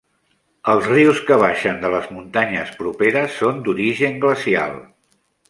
Els rius que baixen de les muntanyes properes són d'origen glacial.